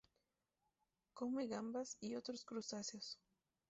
Come gambas y otros crustáceos.